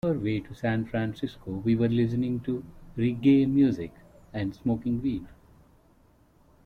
On our way to San Francisco, we were listening to reggae music and smoking weed.